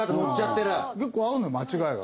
結構あるのよ間違いが。